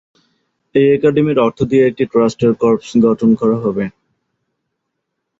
এই একাডেমির অর্থ দিয়ে একটি ট্রাস্টের কর্পস গঠন করা হবে।